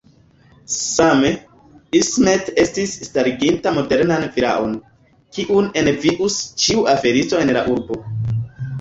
Same, Ismet estis stariginta modernan vilaon, kiun envius ĉiu aferisto en la urbo.